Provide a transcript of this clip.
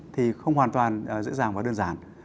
thì không hoàn toàn dễ dàng và đơn giản